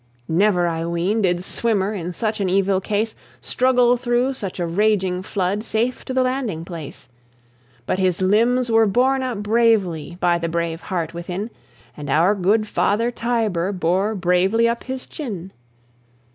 Never, I ween, did swimmer, In such an evil case, Struggle through such a raging flood Safe to the landing place; But his limbs were borne up bravely By the brave heart within, And our good Father Tiber Bore bravely up his chin.